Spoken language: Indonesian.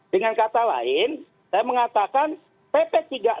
dengan kata lain saya mengatakan pp tiga puluh enam